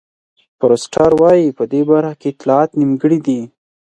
فورسټر وایي په دې برخه کې اطلاعات نیمګړي دي.